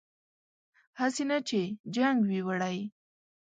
هسې نه چې جنګ وي وړی